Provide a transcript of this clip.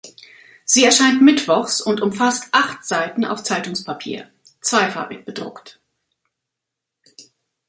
Sie erscheint mittwochs und umfasst acht Seiten auf Zeitungspapier; zweifarbig bedruckt.